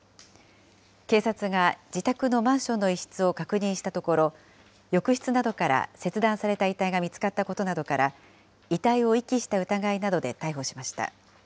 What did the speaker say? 警察が自宅のマンションの一室を確認したところ、浴室などから切断された遺体が見つかったことなどから遺体を遺棄した疑いなどで逮捕しました。